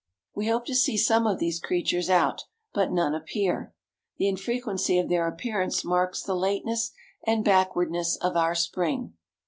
We hope to see some of these creatures out; but none appear. The infrequency of their appearance marks the lateness and backwardness of our spring.